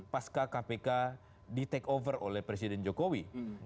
pasca kpk di take over oleh presiden jokowi